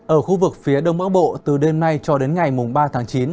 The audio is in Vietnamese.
ở khu vực phía đông bắc bộ từ đêm nay cho đến ngày ba tháng chín